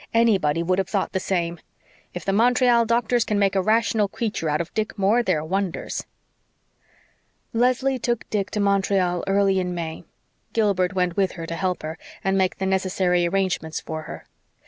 ANYBODY would have thought the same. If the Montreal doctors can make a rational creature out of Dick Moore they're wonders." Leslie took Dick to Montreal early in May. Gilbert went with her, to help her, and make the necessary arrangements for her.